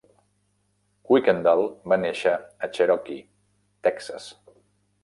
Kuykendall va néixer a Cherokee (Texas).